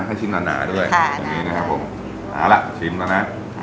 ให้ชิ้นหนาด้วยค่ะอย่างนี้นะครับผมเอาละชิมละนะค่ะ